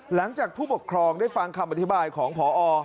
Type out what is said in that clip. หลังจากผู้ปกครองได้ฟังคำอธิบายของพอ